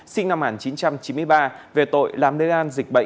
sinh năm một nghìn chín trăm chín mươi ba về tội làm lê an dịch bệnh